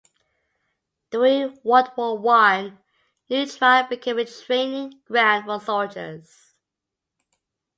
During World War One, New Trier became a training ground for soldiers.